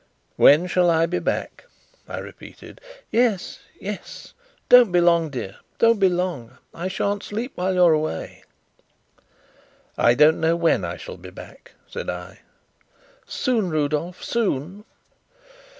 "When shall I be back?" I repeated. "Yes, yes! Don't be long, dear, don't be long. I shan't sleep while you're away." "I don't know when I shall be back," said I. "Soon, Rudolf, soon?"